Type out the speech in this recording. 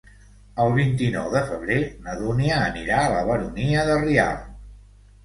El vint-i-nou de febrer na Dúnia anirà a la Baronia de Rialb.